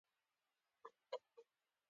هغوى پوښتنې کولې او مولوي صاحب يې ځوابونه ويل.